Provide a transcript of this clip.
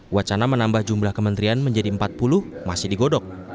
wacana menambah jumlah kementerian menjadi empat puluh masih digodok